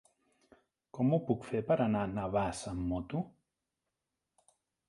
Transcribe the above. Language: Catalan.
Com ho puc fer per anar a Navàs amb moto?